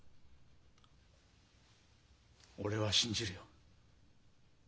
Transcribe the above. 俺は信じるよ。